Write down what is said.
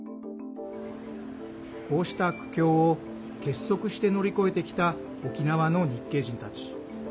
こうした苦境を、結束して乗り越えてきた沖縄の日系人たち。